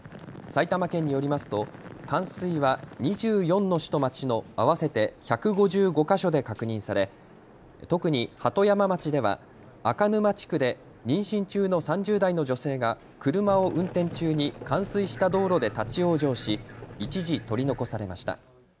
埼玉県によりますと冠水は２４の市と町の合わせて１５５か所で確認され特に鳩山町では赤沼地区で妊娠中の３０代の女性が車を運転中に冠水した道路で立往生し一時、取り残されました。